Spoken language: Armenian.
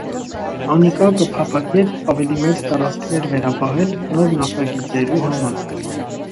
Անիկա կը փափաքէր աւելի մեծ տարածքներ վերապահել՝ նոր նախագիծերու համար։